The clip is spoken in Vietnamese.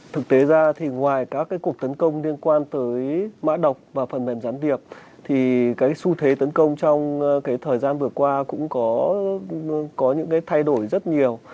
thực tế ra thì ngoài các cuộc tấn công liên quan tới mã độc và phần mềm gián điệp thì cái xu thế tấn công trong thời gian vừa qua cũng có những thay đổi rất nhiều